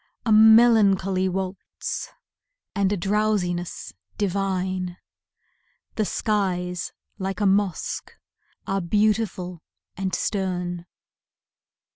A melancholy waltz and a drowsiness divine, The skies like a mosque are beautiful and stern.